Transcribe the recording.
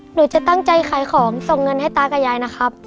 หนูจะตั้งใจขายของส่งเงินให้ตากับยายนะครับ